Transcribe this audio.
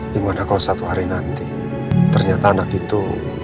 dimana kalau satu hari nanti ternyata anak itu